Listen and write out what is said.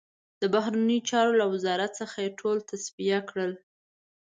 د بهرنیو چارو له وزارت څخه یې ټول تصفیه کړل.